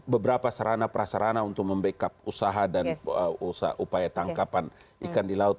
beberapa sarana prasarana untuk membackup usaha dan upaya tangkapan ikan di laut